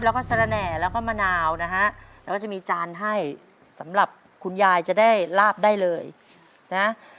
แล้วก็สระแหน่แล้วก็มะนาวนะฮะแล้วก็จะมีจานให้สำหรับคุณยายจะได้ลาบได้เลยนะ